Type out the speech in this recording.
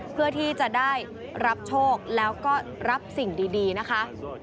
เพื่อที่จะได้รับโชคแล้วก็รับสิ่งดีนะคะ